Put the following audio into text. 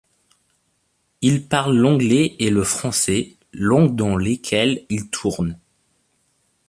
Il parle l'anglais et le français, langues dans lesquelles il tourne.